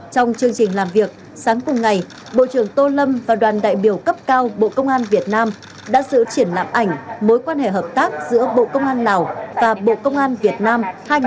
trong chương trình làm việc sáng cùng ngày bộ trưởng tô lâm và đoàn đại biểu cấp cao bộ công an việt nam đã giữ triển lãm ảnh mối quan hệ hợp tác giữa bộ công an lào và bộ công an việt nam hai nghìn hai mươi ba